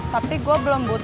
tapi gue belum berusaha